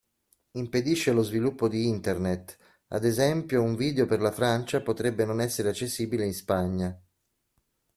Impedisce lo sviluppo di internet, ad esempio un video per la Francia potrebbe non essere accessibile in Spagna.